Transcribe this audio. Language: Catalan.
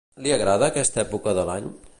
Li agrada aquesta època de l'any?